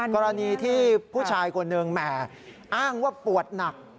กรณีที่ผู้ชายคนหนึ่งแหมอ้างว่าปวดหนัก